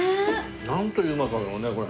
なんといううまさだろうねこれ。